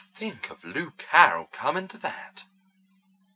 Think of Lou Carroll coming to that!"